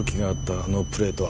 あのプレートは？